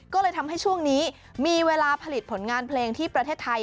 ก็เลยทำให้ช่วงนี้มีเวลาผลิตผลงานเพลงที่ประเทศไทย